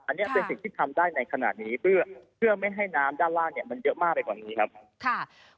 อันนี้เป็นสิ่งที่ทำได้ในขณะนี้เพื่อไม่ให้น้ำด้านล่างเนี่ยมันเยอะมากไปกว่านี้ครับ